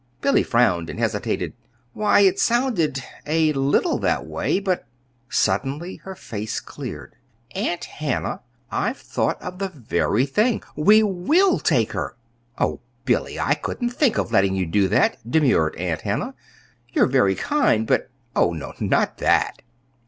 Billy frowned and hesitated. "Why, it sounded a little that way; but " Suddenly her face cleared. "Aunt Hannah, I've thought of the very thing. We will take her!" "Oh, Billy, I couldn't think of letting you do that," demurred Aunt Hannah. "You're very kind but, oh, no; not that!"